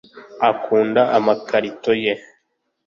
akunda amakarito ye